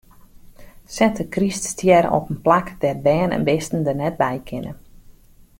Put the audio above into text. Set de kryststjer op in plak dêr't bern en bisten der net by kinne.